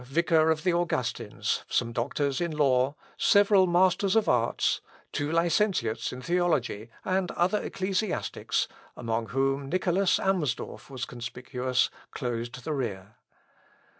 John Lange, vicar of the Augustins, some doctors in law, several masters of arts, two licentiates in theology, and other ecclesiastics, among whom Nicolas Amsdorf was conspicuous, closed the rear.